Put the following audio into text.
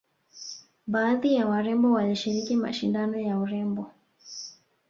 baadhi ya warembo walishiriki mashindano ya urembo